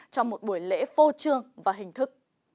trong một buổi lễ phô trương và hình thức